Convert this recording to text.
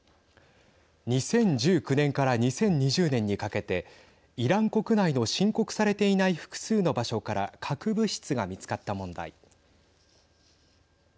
２０１９年から２０２０年にかけてイラン国内の申告されていない複数の場所から核物質が見つかった問題。